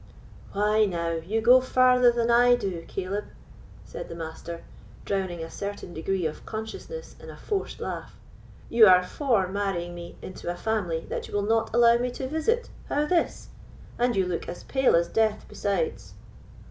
"Why, now, you go father than I do, Caleb," said the Master, drowning a certain degree of consciousness in a forced laugh; "you are for marrying me into a family that you will not allow me to visit, how this? and you look as pale as death besides."